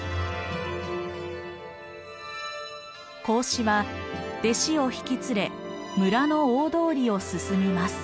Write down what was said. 孔子は弟子を引き連れ村の大通りを進みます。